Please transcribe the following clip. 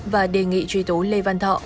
và đề nghị truy tố lê văn thọ